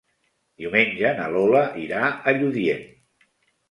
Diumenge na Lola irà a Lludient.